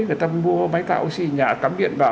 người ta mua máy tạo oxy nhà cắm điện vào